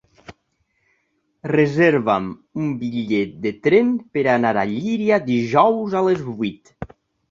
Reserva'm un bitllet de tren per anar a Llíria dijous a les vuit.